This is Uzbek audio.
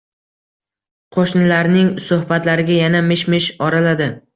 Qo`shnilarning suhbatlariga yana mish-mish oraladi